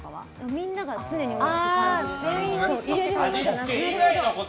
みんなが常においしく食べれる。